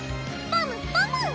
パムパム！